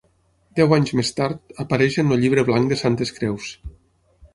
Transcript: Deu anys més tard apareix en el Llibre Blanc de Santes Creus.